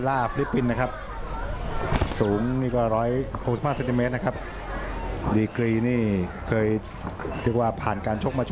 อันดันเตอร์